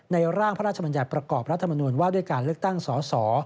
ร่างพระราชบัญญัติประกอบรัฐมนุนว่าด้วยการเลือกตั้งสส